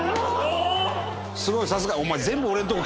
すごい、さすが。